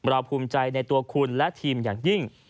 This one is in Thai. ภูมิใจในตัวคุณและทีมอย่างยิ่ง